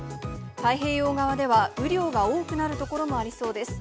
太平洋側では雨量が多くなる所もありそうです。